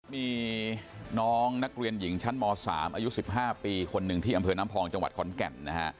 มีน้องนักเรียนหญิงชั้นม๓อายุ๑๕ปีคนหนึ่งที่อำเภอน้ำพองจังหวัดขอนแก่นนะฮะ